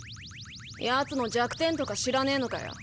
ヤツの弱点とか知らねえのかよ。